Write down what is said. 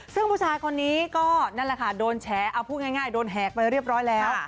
ซึ่งผู้ชายคนนี้ก็นั่นแหละค่ะโดนแฉเอาพูดง่ายโดนแหกไปเรียบร้อยแล้ว